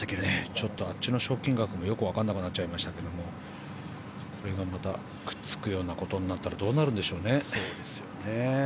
ちょっとあっちの賞金額が分からなくなっちゃいましたけどこれがまたくっつくようなことになったらどうなるんでしょうね。